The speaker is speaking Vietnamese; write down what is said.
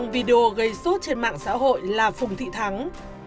video gây sốt trên mạng xã hội là phùng thị thắng